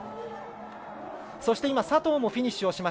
そして佐藤もフィニッシュ。